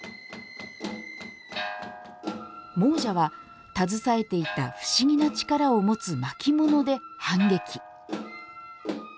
亡者は携えていた不思議な力を持つ巻物で反撃。